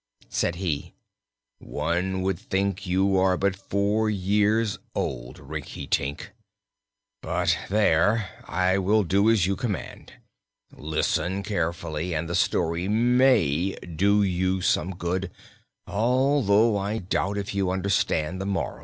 Said he: "One would think you are but four years old, Rinkitink! But there I will do as you command. Listen carefully, and the story may do you some good although I doubt if you understand the moral."